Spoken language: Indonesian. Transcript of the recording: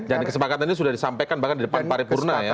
dan kesepakatan itu sudah disampaikan bahkan di depan paripurna ya